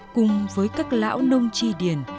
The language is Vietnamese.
cùng với các lão nông tri điển